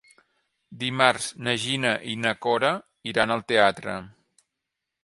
Dimarts na Gina i na Cora iran al teatre.